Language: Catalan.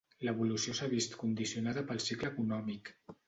L'evolució s'ha vist condicionada pel cicle econòmic.